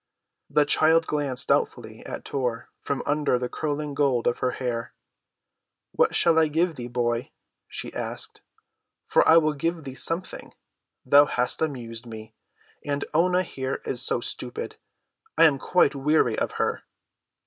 The child glanced doubtfully at Tor from under the curling gold of her hair. "What shall I give thee, boy?" she asked. "For I will give thee something; thou hast amused me, and Oonah here is so stupid. I am quite weary of her."